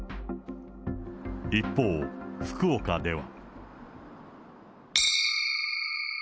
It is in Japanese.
一方、福岡では。